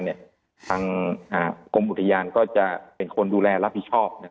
ทางกรมอุทยานก็จะเป็นคนดูแลรับผิดชอบ